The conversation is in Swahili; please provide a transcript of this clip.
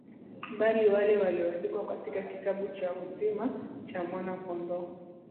bali wale walioandikwa katika kitabu cha uzima cha Mwana Kondoo